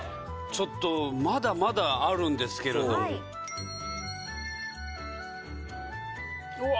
ちょっとまだまだあるんですけれどもうわ